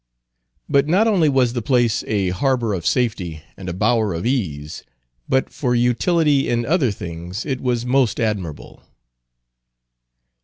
But not only was the place a harbor of safety, and a bower of ease, but for utility in other things it was most admirable.